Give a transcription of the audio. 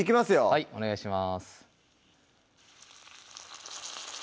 はいお願いします